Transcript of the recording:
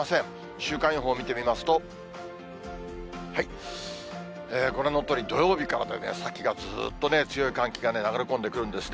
週間予報を見てみますと、ご覧のとおり、土曜日から先がずっとね、強い寒気が流れ込んでくるんですね。